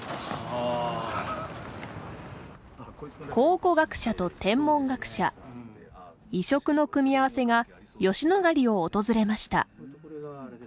考古学者と天文学者異色の組み合わせが吉野ヶ里を訪れました。